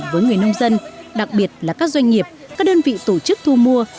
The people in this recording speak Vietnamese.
với người nông dân đặc biệt là các doanh nghiệp các đơn vị tổ chức thu mua